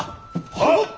はっ。